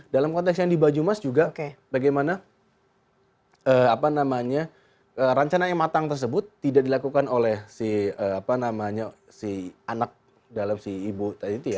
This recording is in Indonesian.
dalam konteks yang di banyumas juga bagaimana rencana yang matang tersebut tidak dilakukan oleh si apa namanya si anak dalam si ibu tadi itu ya